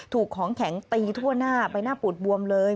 ถูกของแข็งตีทั่วหน้าใบหน้าปูดบวมเลย